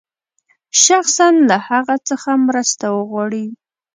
شخصاً له هغه څخه مرسته وغواړي.